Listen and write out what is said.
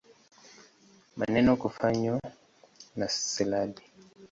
Maneno kufanywa na silabi.